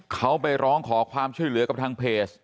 เขาไปร้องขอความช่วยเหลือกับทางเพจ